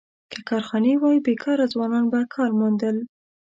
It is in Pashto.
که کارخانې وای، بېکاره ځوانان به کار موندل.